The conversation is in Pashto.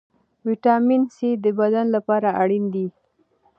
ویټامین سي د بدن لپاره اړین دی.